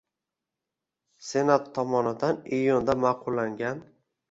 Senat tomonidan iyunda ma’qullangan